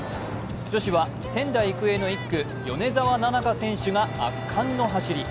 女子は仙台育英の１区、米澤奈々香選手が圧巻の走り。